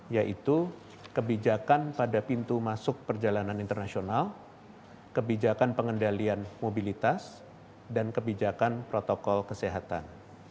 yaitu kebijakan pada pintu masuk perjalanan internasional kebijakan pengendalian mobilitas dan kebijakan protokol kesehatan